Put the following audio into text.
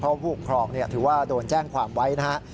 เพราะผู้ปกครองถือว่าโดนแจ้งความไว้นะฮะ